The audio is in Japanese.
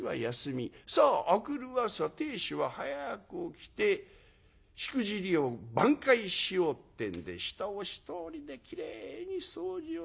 さあ明くる朝亭主は早く起きてしくじりを挽回しようってんで下を１人できれいに掃除を済ます。